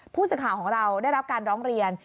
ผู้สื่อข่าวของเราได้รับการร้องเรียน